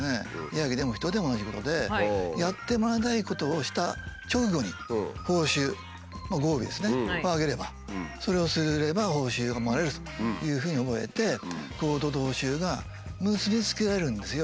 ヤギでも人でも同じことでやってもらいたいことをした直後に報酬まあご褒美ですねをあげれば「それをすれば報酬がもらえる」というふうに思えて行動と報酬が結び付けられるんですよ。